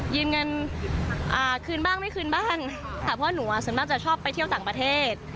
ยืมเงินคืนบ้างไม่คืนบ้างค่ะเพราะหนูส่วนมากจะชอบไปเที่ยวต่างประเทศ